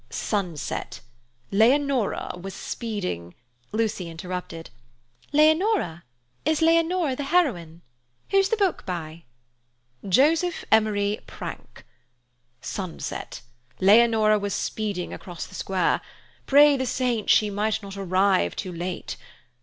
"'Sunset. Leonora was speeding—'" Lucy interrupted. "Leonora? Is Leonora the heroine? Who's the book by?" "Joseph Emery Prank. 'Sunset. Leonora speeding across the square. Pray the saints she might not arrive too late.